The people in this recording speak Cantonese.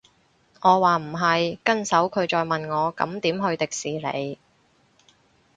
我話唔係，跟手佢再問我咁點去迪士尼